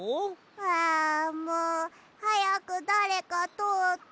あもうはやくだれかとおって。